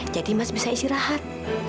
jadi mas bisa istirahat